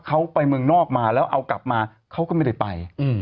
เขาไปเมืองนอกมาแล้วเอากลับมาเขาก็ไม่ได้ไป